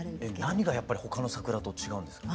何がやっぱり他の桜と違うんですか？